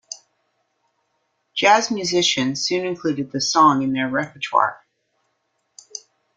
Jazz musicians soon included the song in their repertoire.